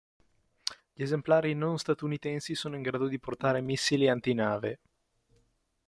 Gli esemplari non statunitensi sono in grado di portare missili antinave.